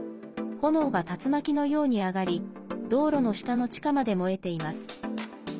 炎が竜巻のように上がり道路の下の地下まで燃えています。